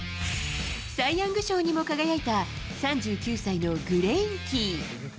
サイ・ヤング賞にも輝いた、３９歳のグレインキー。